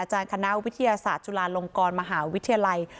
คณะวิทยาศาสตร์จุฬาลงกรมหาวิทยาลัย